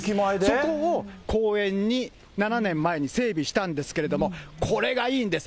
そこを公園に７年前に整備したんですけれども、これがいいんです。